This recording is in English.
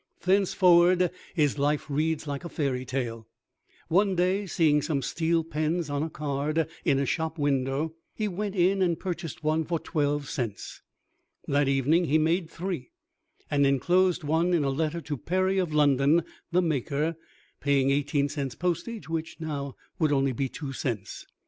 Thenceforward his life reads like a fairy tale. One day, seeing some steel pens on a card, in a shop window, he went in and purchased one for twelve cents. That evening he made three, and enclosed one in a letter to Perry of London, the maker, paying eighteen cents' postage, which now would be only two cents.